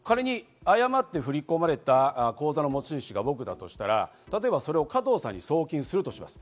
仮に誤って振り込まれた口座の持ち主が僕だとしたら、例えば加藤さんに送金するとします。